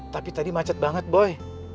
tapi tadi macet banget boy